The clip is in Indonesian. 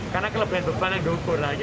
karena kelebihan beban yang dokur lagi